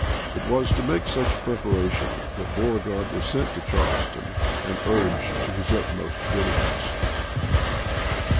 w^Vvoi' It was to make such preparation that Beauregard ^•'^'^^^• was sent to Charleston and urged to his utmost diligence.